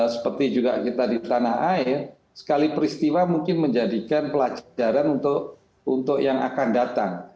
seperti juga kita di tanah air sekali peristiwa mungkin menjadikan pelajaran untuk yang akan datang